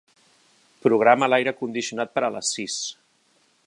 Programa l'aire condicionat per a les sis.